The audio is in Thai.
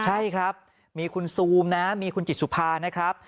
ใช่ครับมีคุณซูมนะมีคุณจิตสุภานะครับ